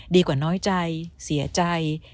ดีกว่าน้อยใจเสียใจ